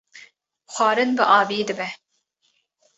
xwarin bi avî dibe